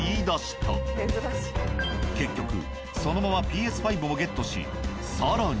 結局そのままＰＳ５をゲットし更に。